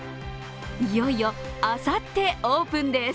いよいよ、あさってオープンです。